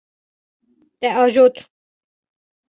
Te ajot.